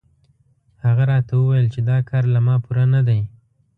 هغه راته وویل چې دا کار له ما پوره نه دی.